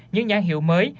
những nhán hiệu mới